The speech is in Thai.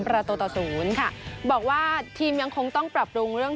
ประตูต่อศูนย์ค่ะบอกว่าทีมยังคงต้องปรับปรุงเรื่อง